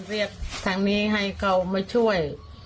เรียกทางนี้ให้เขามาช่วย